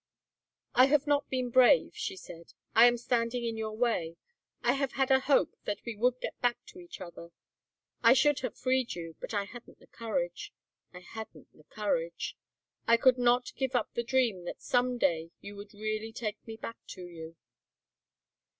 "I have not been brave," she said. "I am standing in your way. I have had a hope that we would get back to each other. I should have freed you but I hadn't the courage, I hadn't the courage. I could not give up the dream that some day you would really take me back to you."